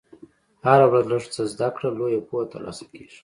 هره ورځ لږ څه زده کړه، لویه پوهه ترلاسه کېږي.